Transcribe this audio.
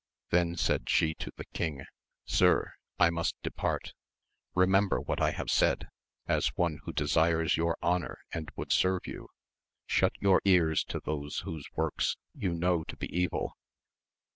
Then said she to the king, Sir, I must depart ; remember what I have said as one who desires your honour and would serve you, — shut your ears to those whose works you know to be evil